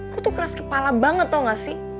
lo tuh keras kepala banget tau gak sih